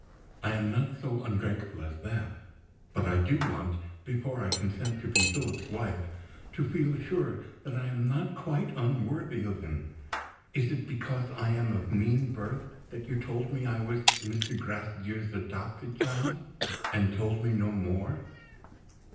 I am not so ungrateful as that. But I do want, before I consent to be Philip's wife, to feel sure that I am not quite unworthy of him. Is it because I am of mean birth that you told me I was Mr. Gracedieu's adopted child and told me no more?"